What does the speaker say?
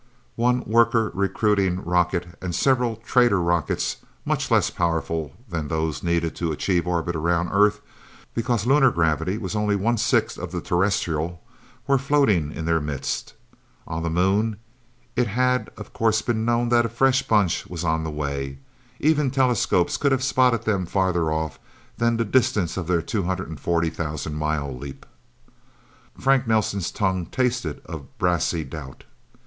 One worker recruiting rocket and several trader rockets much less powerful than those needed to achieve orbit around Earth because lunar gravity was only one sixth of the terrestrial were floating in their midst. On the Moon it had of course been known that a fresh Bunch was on the way. Even telescopes could have spotted them farther off than the distance of their 240,000 mile leap. Frank Nelsen's tongue tasted of brassy doubt.